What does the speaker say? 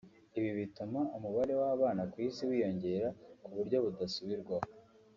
Ibi bituma umubare w’abana ku isi wiyongera ku buryo budasubirwaho